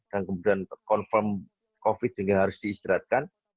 dan kemudian confirm covid sembilan belas harus diistirahatkan